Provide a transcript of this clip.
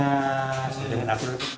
nah saya dengan akur